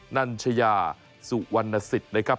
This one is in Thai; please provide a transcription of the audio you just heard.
นัญชยาสุวรรณสิทธิ์นะครับ